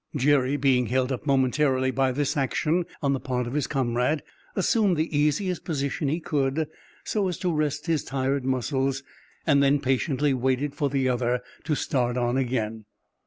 Jerry, being held up momentarily by this action on the part of his comrade, assumed the easiest position he could, so as to rest his tired muscles, and then patiently waited for the other to start on again.